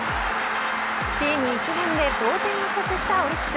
チーム一丸で同点を阻止したオリックス。